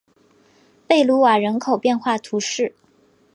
贝卢瓦人口变化图示